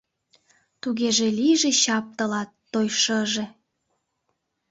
Тугеже лийже чап тылат, той шыже!